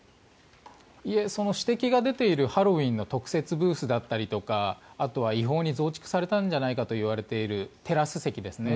その指摘が出ているハロウィーンの特設ブースだったりとかあとは違法に増築されたんじゃないかといわれているテラス席ですね。